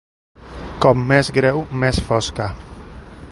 Com més greu, més fosca.